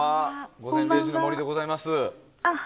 「午前０時の森」でございます。